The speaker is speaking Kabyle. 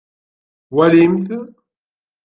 Walimt.